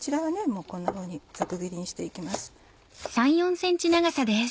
もうこんなふうにザク切りにして行きます。